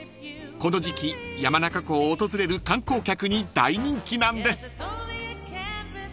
［この時季山中湖を訪れる観光客に大人気なんです］